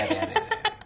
ハハハ！